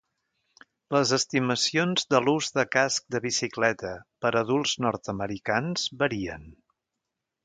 Les estimacions de l'ús de casc de bicicleta per adults nord-americans varien.